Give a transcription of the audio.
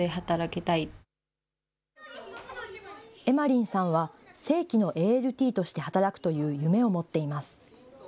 エマリンさんは、正規のＡＬＴとして働くという夢を持っています。